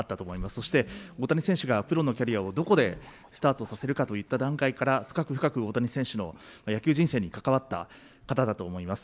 そして、大谷選手がプロのキャリアをスタートさせるかといった段階から、深く深く大谷選手の野球人生に関わった方だと思います。